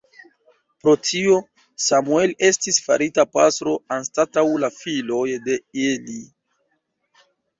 Pro tio, Samuel estis farita pastro anstataŭ la filoj de Eli.